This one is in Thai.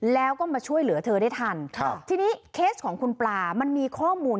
แล้วก็มาช่วยเหลือเธอได้ทันทีเคสของคุณปลามันมีข้อมูล